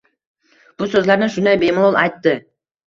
Bu so’zlarni shunday bemalol aytdi